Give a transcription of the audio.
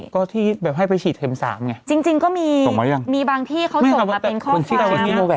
มีบางที่เค้าส่งมาเป็นข้อความ